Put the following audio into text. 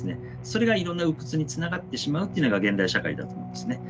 それがいろんな鬱屈につながってしまうっていうのが現代社会だと思うんですね。